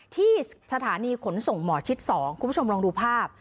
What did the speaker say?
ที่สถานีขนส่งหมอชิด๒คุณผู้ชมลองดูภาพ